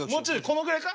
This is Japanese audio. このぐらいか？